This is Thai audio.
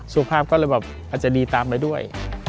สุภาพก็เลยแบบอาจจะดีตามไปด้วย